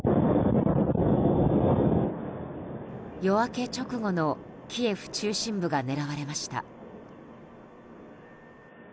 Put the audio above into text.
夜明け直後のキエフ中心部が狙われました。